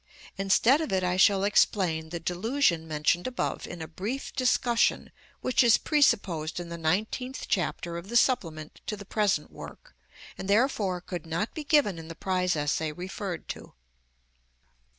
Instead of it I shall explain the delusion mentioned above in a brief discussion which is presupposed in the nineteenth chapter of the supplement to the present work, and therefore could not be given in the prize essay referred to.